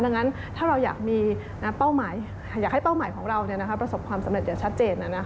ดังนั้นถ้าเราอยากมีเป้าหมายอยากให้เป้าหมายของเราประสบความสำเร็จอย่างชัดเจน